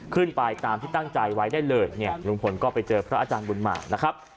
ขึ้นไปตามที่ตั้งใจไว้ได้เลยเนี่ยลุงพลก็ไปเจอพระอาจารย์บุญมานะครับ